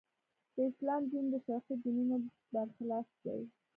د اسلام دین د شرقي دینونو برخلاف دی.